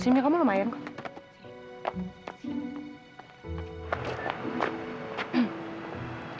senyumnya kamu lumayan kok